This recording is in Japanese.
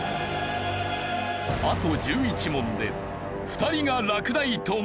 あと１１問で２人が落第となる。